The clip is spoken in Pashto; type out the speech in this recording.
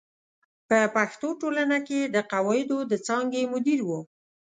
په پښتو ټولنه کې د قواعدو د څانګې مدیر و.